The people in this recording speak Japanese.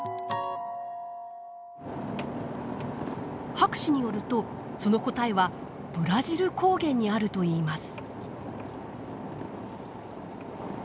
博士によるとその答えはブラジル高原にあるといいます。